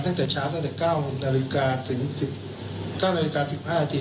ตั้งแต่ช้าตั้งแต่๙นาฬิกา๑๕นาที